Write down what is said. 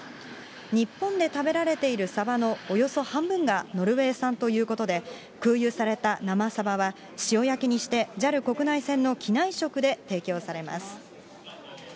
日本で食べられているサバのおよそ半分がノルウェー産ということで、空輸された生サバは、塩焼きにしてＪＡＬ国内線の機内食で提供されます。